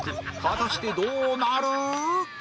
果たしてどうなる？